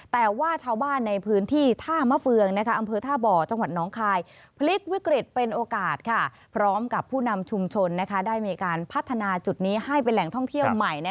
แต่ว่าชาวบ้านในพื้นที่